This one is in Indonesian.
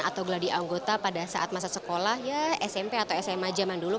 atau geladi anggota pada saat masa sekolah ya smp atau sma zaman dulu